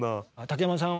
竹山さん